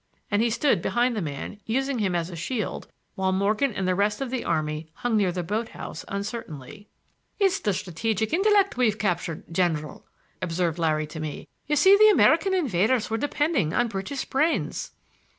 And he stood behind the man, using him as a shield while Morgan and the rest of the army hung near the boat house uncertainly. "It's the strategic intellect we've captured, General," observed Larry to me. "You see the American invaders were depending on British brains."